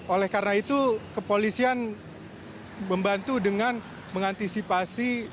oleh karena itu kepolisian membantu dengan mengantisipasi